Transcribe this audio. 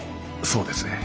そうですね。